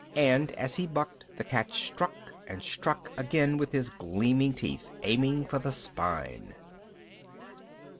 And as he bucked, the cat struck and struck again with his gleaming teeth, aiming for the spine.